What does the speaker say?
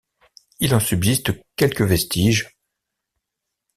Il en subsiste quelques vestiges.